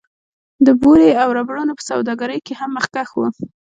د بورې او ربړونو په سوداګرۍ کې هم مخکښ و